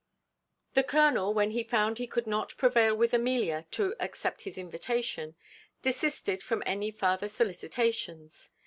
The colonel, when he found he could not prevail with Amelia to accept his invitation, desisted from any farther solicitations.